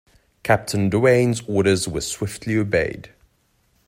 Captain Doane's orders were swiftly obeyed.